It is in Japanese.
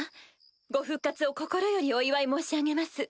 ご復活を心よりお祝い申し上げます。